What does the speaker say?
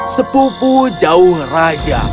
sepupu jauh raja